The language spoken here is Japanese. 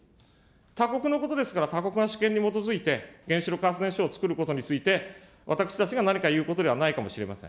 他国のことですから、他国の主権に基づいて原子力発電所を造ることについて、私たちが何か言うことではないかもしれません。